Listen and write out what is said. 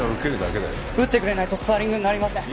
打ってくれないとスパーリングになりません。